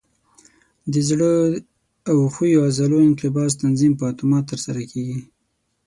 د زړه او ښویو عضلو انقباض تنظیم په اتومات ترسره کېږي.